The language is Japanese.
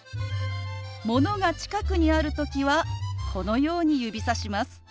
ものが近くにある時はこのように指さします。